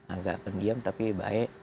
agak pendiem tapi baik